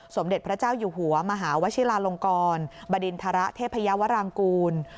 สมเด็จพระเจ้าอยู่หัวมหาวชิลาลงกรบดินทรเทพยาวรางกูล